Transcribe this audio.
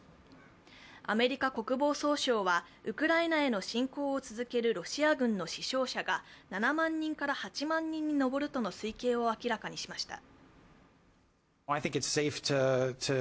アメリカ国防総省はウクライナへの侵攻を続けるロシア軍の死傷者が７万人から８万人に上るとの推計を明らかにしました。